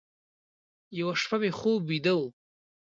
یوه شپه مې خوب ویده و،